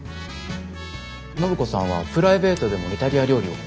暢子さんはプライベートでもイタリア料理を？